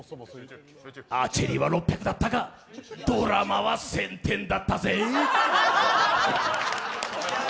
アーチェリーは６００だったがドラマは１０００点だったぜ。